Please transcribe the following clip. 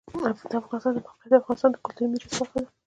د افغانستان د موقعیت د افغانستان د کلتوري میراث برخه ده.